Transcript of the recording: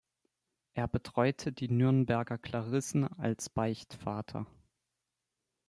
Er betreute die Nürnberger Klarissen als Beichtvater.